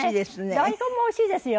大根もおいしいですよ。